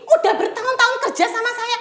udah bertahun tahun kerja sama saya